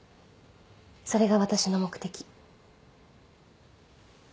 それが私の目的。